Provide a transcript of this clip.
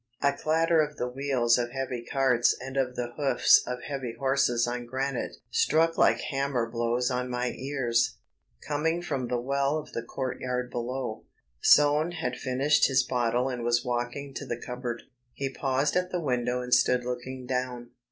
A clatter of the wheels of heavy carts and of the hoofs of heavy horses on granite struck like hammer blows on my ears, coming from the well of the court yard below. Soane had finished his bottle and was walking to the cupboard. He paused at the window and stood looking down.